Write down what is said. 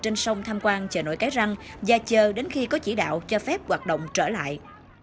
trên sông tham quan chờ nổi cái răng và chờ đến khi có chỉ đạo cho phép hoạt động trở lại